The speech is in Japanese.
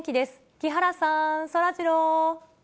木原さん、そらジロー。